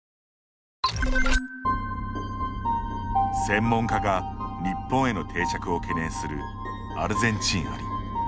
専門家が日本への定着を懸念するアルゼンチンアリ。